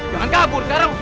jangan kabur sekarang